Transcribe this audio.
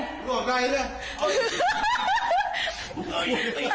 บอกใครเลย